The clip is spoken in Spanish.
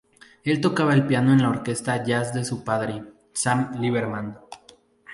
Él tocaba el piano en la orquesta jazz de su padre, Sam Liberman.